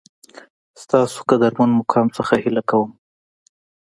ستاسو قدرمن مقام څخه هیله کوم